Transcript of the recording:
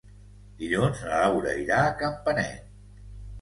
Dilluns na Laura irà a Campanet.